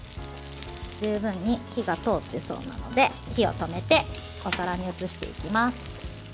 十分に火が通ってそうなので火を止めてお皿に移していきます。